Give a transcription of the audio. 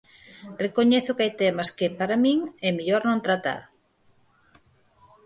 Recoñezo que hai temas que, para min, é mellor non tratar.